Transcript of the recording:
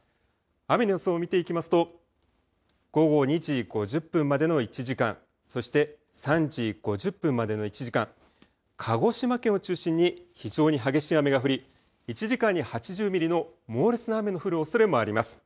雨の予想を見ていきますと午後２時５０分までの１時間、そして３時５０分までの１時間、鹿児島県を中心に非常に激しい雨が降り１時間に８０ミリの猛烈な雨の降るおそれもあります。